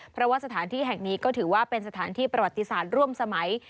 เพราะว่าสถานที่แห่งนี้ก็ถือว่าเป็นสถานที่ประวัติศาสตร์ร่วมสมัย